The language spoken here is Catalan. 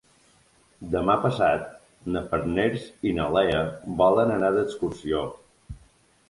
Demà passat na Farners i na Lea volen anar d'excursió.